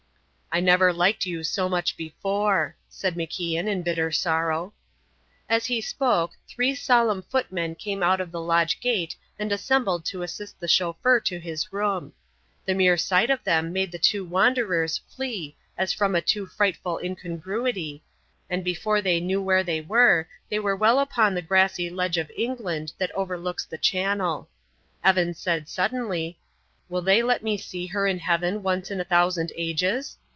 "I never liked you so much before," said MacIan, in bitter sorrow. As he spoke, three solemn footmen came out of the lodge gate and assembled to assist the chauffeur to his room. The mere sight of them made the two wanderers flee as from a too frightful incongruity, and before they knew where they were, they were well upon the grassy ledge of England that overlooks the Channel. Evan said suddenly: "Will they let me see her in heaven once in a thousand ages?"